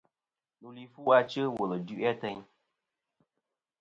Ndu li fu achɨ wul du'i ateyn.